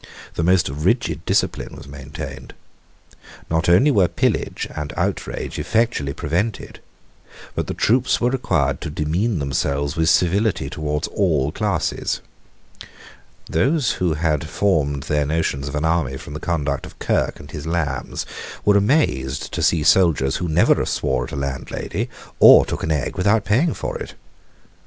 The most rigid discipline was maintained. Not only were pillage and outrage effectually prevented, but the troops were required to demean themselves with civility towards all classes. Those who had formed their notions of an army from the conduct of Kirke and his Lambs were amazed to see soldiers who never swore at a landlady or took an egg without paying for it.